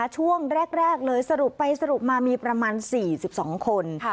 ช่วงแรกเลยสรุปไปสรุปมามีประมาณ๔๒คน